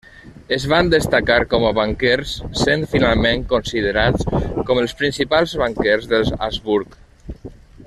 Es van destacar com a banquers, sent finalment considerats com els principals banquers dels Habsburg.